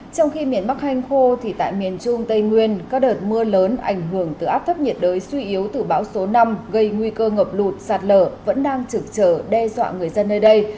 trong khi miền bắc hanh khô thì tại miền trung tây nguyên các đợt mưa lớn ảnh hưởng từ áp thấp nhiệt đới suy yếu từ bão số năm gây nguy cơ ngập lụt sạt lở vẫn đang trực trở đe dọa người dân nơi đây